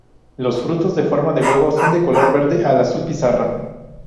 Los frutos con forma de huevo son de color verde al azul pizarra.